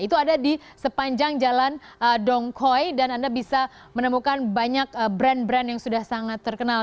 itu ada di sepanjang jalan dongkhoi dan anda bisa menemukan banyak brand brand yang sudah sangat terkenal